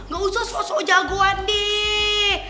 gak usah sosok jagoan deh